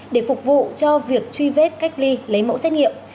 để phục vụ cho việc truy vết cách ly lấy mẫu xét nghiệm